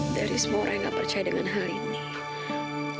dari semua orang yang gak percaya dengan hal ini